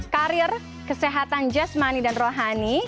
karier kesehatan just money dan rohani